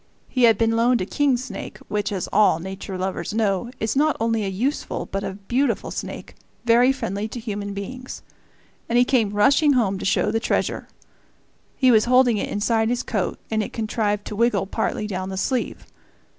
He had been loaned a king snake, which, as all nature lovers know, is not only a useful but a beautiful snake, very friendly to human beings; and he came rushing home to show the treasure. He was holding it inside his coat, and it contrived to wiggle partly down the sleeve.